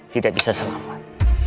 tidak bisa selamat